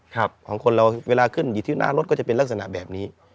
ของคนเราเวลาขึ้นอยู่ที่หน้ารถก็จะเป็นลักษณะแบบนี้